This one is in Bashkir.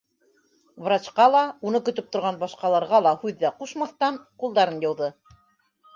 Врачҡа ла, уны көтөп торған башҡаларға ла һүҙ ҙә ҡушмаҫтан ҡулдарын йыуҙы.